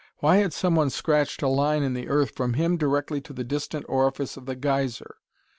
Why had someone scratched a line in the earth from him directly to the distant orifice of the geyser?